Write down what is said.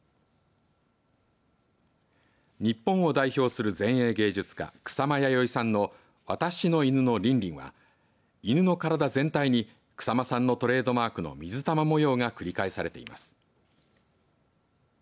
日本を代表する前衛芸術家、草間彌生さんの私の犬のリンリンは犬の体全体に草間さんのトレードマークの水玉模様が繰り返されています。